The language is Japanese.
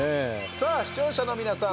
さあ視聴者の皆さん